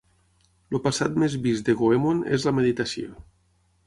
El passat més vist de Goemon és la meditació.